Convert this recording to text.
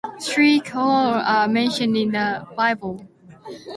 Three Kemuels are mentioned in the Bible.